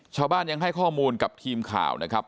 ชาวบ้านยังให้ข้อมูลกับทีมข่าวนะครับ